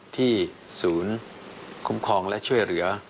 ที่ศูนย์คุ้มครองและช่วยเหลือ